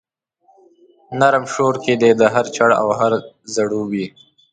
نرم شور کښي دی هر چړ او هر ځړوبی